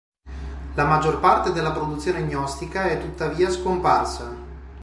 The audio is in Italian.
La maggior parte della produzione gnostica è tuttavia scomparsa.